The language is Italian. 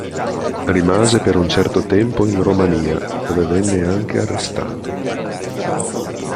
Rimase per un certo tempo in Romania, dove venne anche arrestato.